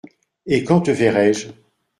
Et quand te verrai-je ?